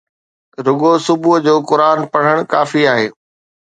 رڳو صبح جو قرآن پڙهڻ ڪافي آهي